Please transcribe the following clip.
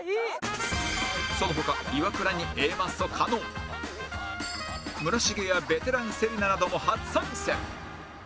その他イワクラに Ａ マッソ加納村重やベテラン芹那なども初参戦